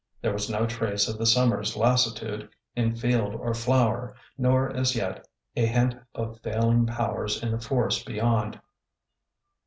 There was no trace of the summer's lassitude in field or flower, nor as yet a hint of failing powers in the forest beyond.